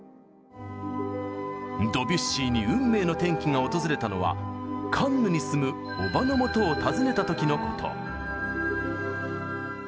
ドビュッシーに運命の転機が訪れたのはカンヌに住むおばのもとを訪ねた時のこと。